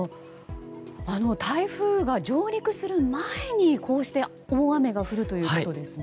台風が上陸する前に大雨が降るということですね。